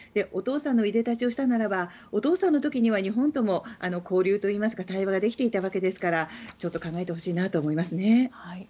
お父さんのいでたちをしたならばお父さんの時は日本とも交流といいますか対話ができていたわけですからちょっと考えてほしいなと思いますね。